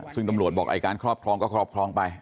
ซึ่งตำรวจบอกไอ้การครอบครองก็ครอบครองไป